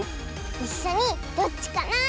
いっしょに「どっちかなあ？」